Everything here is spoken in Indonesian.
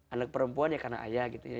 anak perempuan ya karena ayah gitu ya